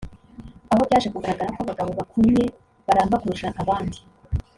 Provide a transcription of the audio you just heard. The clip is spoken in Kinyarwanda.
aho byaje kugaragara ko abagabo bakonnye baramba kurusha abandi